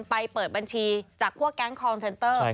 เปิดบัญชีจากพวกแก๊งคอนเซนเตอร์